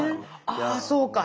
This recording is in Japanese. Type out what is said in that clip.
あそうか。